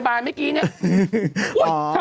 มันเหมือนอ่ะ